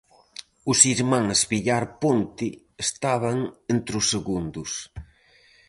Os irmáns Villar Ponte estaban entre os segundos.